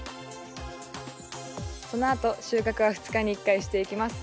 そのあと収穫は２日に１回していきます。